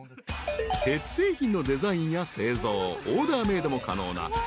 ［鉄製品のデザインや製造オーダーメードも可能なＮＰＯ法人